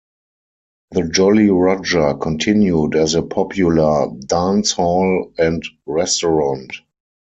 The Jolly Roger continued as a popular dancehall and restaurant.